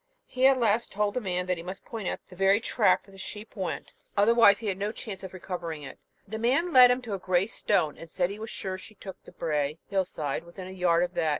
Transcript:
He at last told the man that he must point out the very track that the sheep went, otherwise he had no chance of recovering it. The man led him to a grey stone, and said he was sure she took the brae (hill side) within a yard of that.